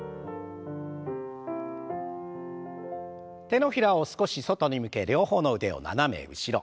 手のひらを少し外に向け両方の腕を斜め後ろ。